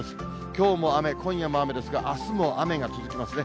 きょうも雨、今夜も雨ですが、あすも雨が続きますね。